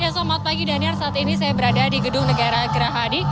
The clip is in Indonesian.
selamat pagi daniel saat ini saya berada di gedung negara gerahadi